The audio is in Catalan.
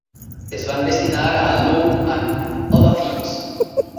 Es van destinar a "Law and Other Things".